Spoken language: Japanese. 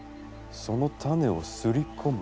その種をすり込む。